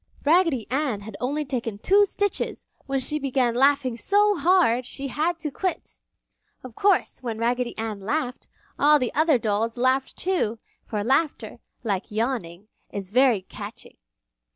Raggedy Ann had only taken two stitches when she began laughing so hard she had to quit. Of course when Raggedy Ann laughed, all the other dolls laughed too, for laughter, like yawning, is very catching.